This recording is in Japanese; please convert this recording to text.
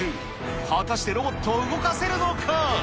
果たしてロボットを動かせるのか？